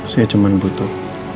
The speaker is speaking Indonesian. saya cuma butuh